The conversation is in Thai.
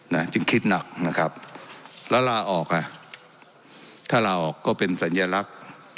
นะจึงคิดหนักนะครับแล้วลาออกอ่ะถ้าลาออกก็เป็นสัญลักษณ์